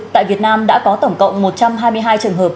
tại việt nam đã có tổng cộng một trăm hai mươi hai trường hợp